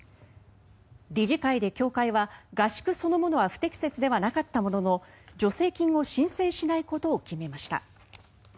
理事会で協会は合宿そのものは不適切ではなかったものの助成金を申請しないことを決めました。